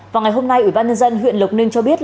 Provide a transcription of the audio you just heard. vào ngày hôm nay ủy ban nhân dân huyện lộc ninh cho biết